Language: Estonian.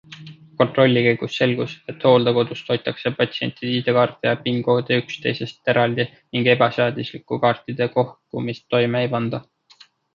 Kontrolli käigus selgus, et hooldekodus hoitakse patsientide ID-kaarte ja PIN-koode üksteisest eraldi ning ebaseaduslikku kaartide kogumist toime ei panda.